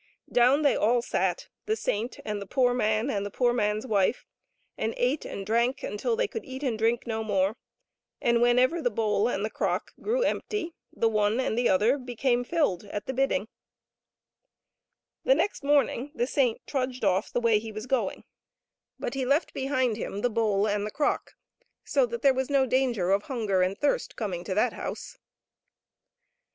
Down they all sat, the saint and the poor man and the poor man's wife, and ate and drank till they could eat and drink no more, and whenever the bowl and the crock grew empty, the one and the other became filled at the bidding. The next morning the saint trudged off the way he was going, but he afnt^ic^oid0 kmtk» at % toclcomcQrcol5&rai£[> 126 HOW THE GOOD GIFTS WERE USED BY TWO. left behind him the bowl and the crock, so that there was no danger ol hunger and thirst coming to that house.